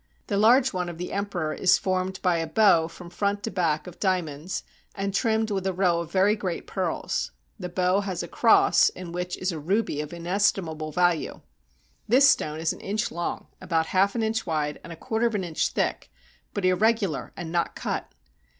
The large one of the emperor is formed by a bow from front to back of dia monds, and trimmed with a row of very great pearls. The bow has a cross in which is a ruby of inestimable value. This stone is an inch long, about half an inch wide, and a quarter of an inch thick, but irregular and not cut.